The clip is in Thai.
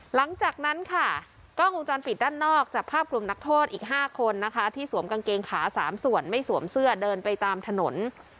หลังจากนั้นค่ะกล้องวงจรปิดด้านนอกจับภาพกลุ่มนักโทษอีก๕คนนะคะที่สวมกางเกงขา๓ส่วนไม่สวมเสื้อเดินไปตามถนน